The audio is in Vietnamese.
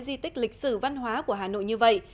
di tích lịch sử văn hóa của hà nội như vậy